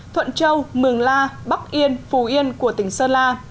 thuận châu mường la bắc yên phù yên của tỉnh sơn la